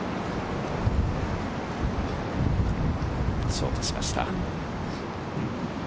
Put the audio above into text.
ショートしました。